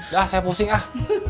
dah saya pusing ah